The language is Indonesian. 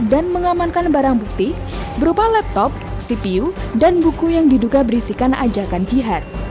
dan mengamankan barang bukti berupa laptop cpu dan buku yang diduga berisikan ajakan jihad